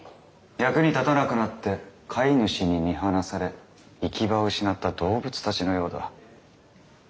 役に立たなくなって飼い主に見放され行き場を失った動物たちのようだ。